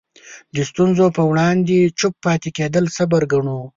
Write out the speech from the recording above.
د ستونزو په وړاندې چوپ پاتې کېدل صبر ګڼو.